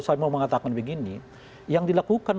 saya mau mengatakan begini yang dilakukan